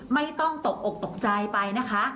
ไม่ต้องตกอกตกใจไปนะคะ